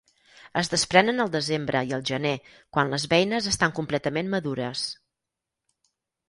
Es desprenen al desembre i al gener, quan les beines estan completament madures.